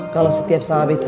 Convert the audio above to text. kalo setiap sahabatnya